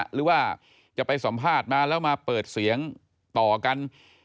หรือว่าจะไปสัมภาษณ์มาแล้วมาเปิดเสียงต่อกัน